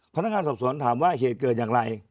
พนักงานสอบสวนถามว่าเหตุเกิดอย่างไร